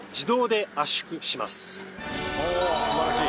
素晴らしい！